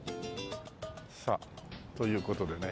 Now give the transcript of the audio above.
さあという事でね